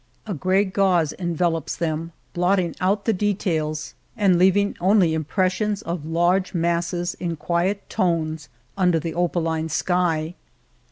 A gray gauze envelops them, blot ting out the details and leaving only impres 92 •^ 5 ^ Monteil sions of large masses in quiet tones under the opaline sky.